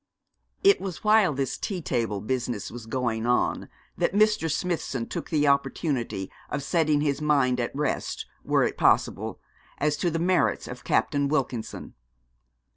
It was while this tea table business was going on that Mr. Smithson took the opportunity of setting his mind at rest, were it possible, as to the merits of Captain Wilkinson.